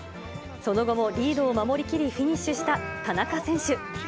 その後もリードを守り切りフィニッシュした田中選手。